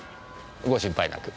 ご心配なく。